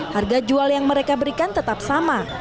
harga jual yang mereka berikan tetap sama